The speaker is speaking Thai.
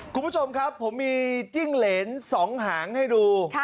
คุณผู้ชมครับผมมีจิ้งเหรน๒หางให้ดู